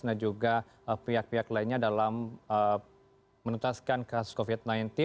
dan juga pihak pihak lainnya dalam menutaskan kasus covid sembilan belas